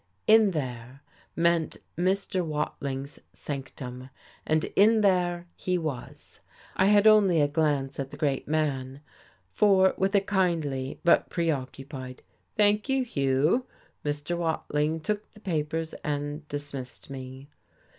"In there" meant Mr. Watling's sanctum. And in there he was. I had only a glance at the great man, for, with a kindly but preoccupied "Thank you, Hugh," Mr. Watling took the papers and dismissed me.